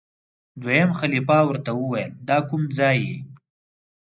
دویم خلیفه ورته وویل دکوم ځای یې؟